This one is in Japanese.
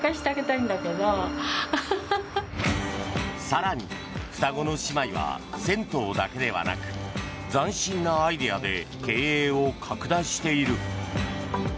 更に、双子の姉妹は銭湯だけではなく斬新なアイデアで経営を拡大している。